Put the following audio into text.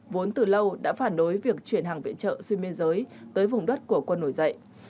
vốn từ lâu đã phản đối việc chuyển hàng viện trợ xuyên biên giới tới vùng đất của quân nổi dậy